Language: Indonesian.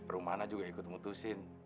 rumana juga ikut mutusin